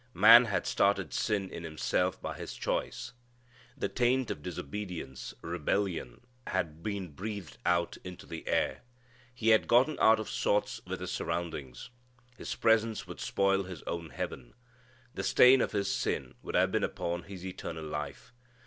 Man had started sin in himself by his choice. The taint of disobedience, rebellion, had been breathed out into the air. He had gotten out of sorts with his surroundings. His presence would spoil his own heaven. The stain of his sin would have been upon his eternal life.